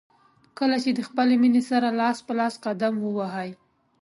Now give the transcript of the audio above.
کله چې د خپلې مینې سره لاس په لاس قدم ووهئ.